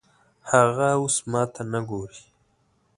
هغه اوس ماته نه ګوري